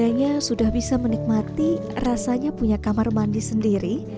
keluarganya sudah bisa menikmati rasanya punya kamar mandi sendiri